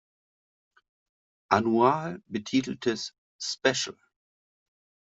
Annual" betiteltes, Special.